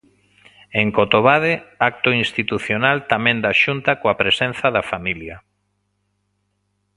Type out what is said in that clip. En Cotobade, acto institucional tamén da Xunta coa presenza da familia.